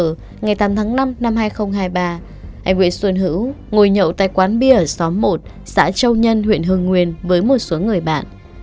anh nguyễn xuân hữu ngồi nhậu tại quán bia ở xóm một xã châu nhân huyện hương nguyên với một số người bạn